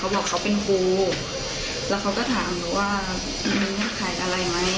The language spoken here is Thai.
เขาบอกเขาเป็นครูแล้วเขาก็ถามว่ามีใครอะไรไหม